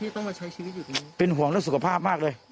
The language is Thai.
ต้องมาใช้ชีวิตอยู่อีกเป็นห่วงเรื่องสุขภาพมากเลย